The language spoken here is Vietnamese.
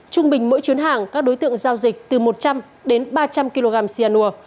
trung bình mỗi chuyến hàng các đối tượng giao dịch từ một trăm linh đến ba trăm linh kg cyanur